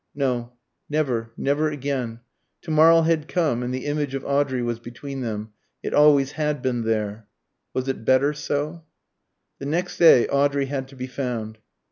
No never, never again. To morrow had come, and the image of Audrey was between them. It always had been there. Was it better so? The next day Audrey had to be found.